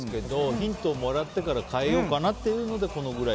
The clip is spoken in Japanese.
ヒントをもらってから変えようかなというのでこのくらい。